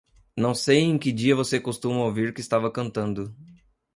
Não sei em que dia você costuma ouvir que estava cantando.